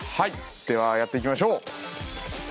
ではやっていきましょう！